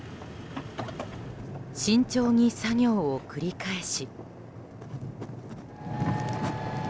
慎重に作業を繰り返し。